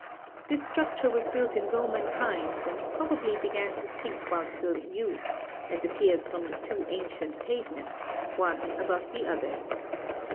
This structure was built in Roman times, and probably began to sink while still in use, as appears from the two ancient pavements, one above the DIASTROPHISM 99 other.